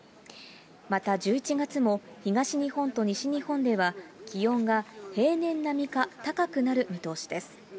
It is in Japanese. また１１月も東日本と西日本では、気温が平年並みか高くなる見通しです。